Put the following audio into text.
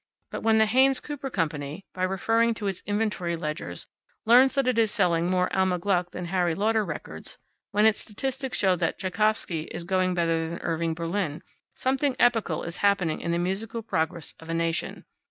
But when the Haynes Cooper company, by referring to its inventory ledgers, learns that it is selling more Alma Gluck than Harry Lauder records; when its statistics show that Tchaikowsky is going better than Irving Berlin, something epochal is happening in the musical progress of a nation.